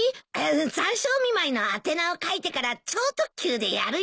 残暑お見舞いの宛名を書いてから超特急でやるよ。